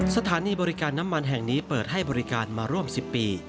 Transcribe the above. สถานีบริการน้ำมันแห่งนี้เปิดให้บริการมาร่วม๑๐ปี